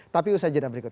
tapi usaha jenam berikut